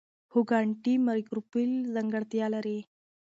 هوږه انټي مایکروبیل ځانګړتیا لري.